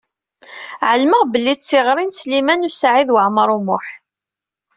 Ɛelmeɣ belli d tiɣṛi n Sliman U Saɛid Waɛmaṛ U Muḥ.